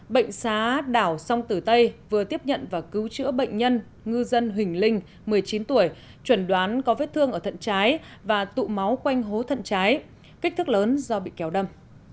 bệnh xá đảo song tử tây vừa tiếp nhận và cứu chữa bệnh nhân ngư dân huỳnh linh một mươi chín tuổi chuẩn đoán có vết thương ở thận trái và tụ máu quanh hố thận trái kích thước lớn do bị kéo đâm